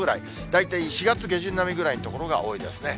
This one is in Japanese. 大体４月下旬並みぐらいの所が多いですね。